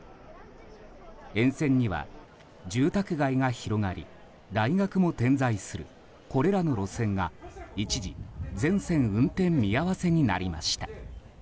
沿線には住宅街が広がり大学も点在するこれらの路線が、一時全線運転見合わせになりました。